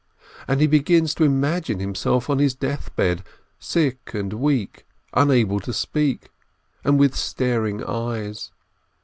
And he begins to imagine himself on his death bed, sick and weak, unable to speak, and with staring eyes.